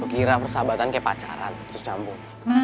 kira persahabatan kayak pacaran terus campur